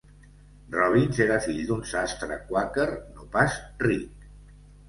Robins era fill d'un sastre quàquer no pas ric.